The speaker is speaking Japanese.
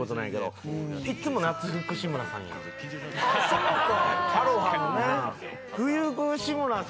そうか。